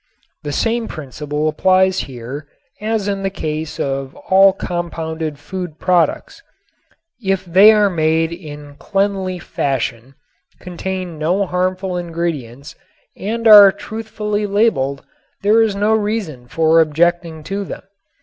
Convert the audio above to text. The same principle applies here as in the case of all compounded food products. If they are made in cleanly fashion, contain no harmful ingredients and are truthfully labeled there is no reason for objecting to them.